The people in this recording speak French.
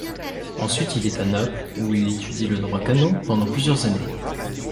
Ensuite, il est à Naples où il étudie le droit canon pendant plusieurs années.